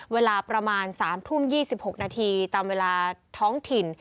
เวลาประมาณ๓ทุ่ม๒๖นาทีตามเวลาท้องถิ่น